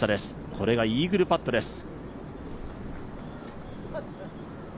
これがイーグルパットです。